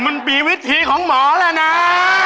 มันมีวิธีของหมอแหละน่า